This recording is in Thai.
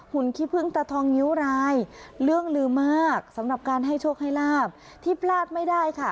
ขี้พึ่งตาทองนิ้วรายเรื่องลืมมากสำหรับการให้โชคให้ลาบที่พลาดไม่ได้ค่ะ